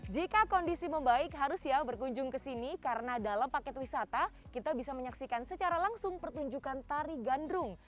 jika kondisi membaik harus ya berkunjung ke sini karena dalam paket wisata kita bisa menyaksikan secara langsung pertunjukan tari gandrung